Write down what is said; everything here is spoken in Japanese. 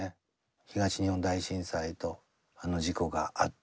東日本大震災とあの事故があって。